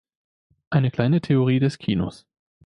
Eine kleine Theorie des Kinos".